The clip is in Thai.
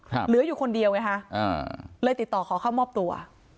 เหลืออยู่คนเดียวไงฮะอ่าเลยติดต่อขอเข้ามอบตัว